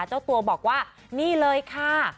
เจ้าตัวบอกว่านี่เลยค่ะ